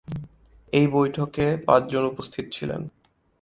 এই বৈঠকে পাঁচ জন উপস্থিত ছিলেন।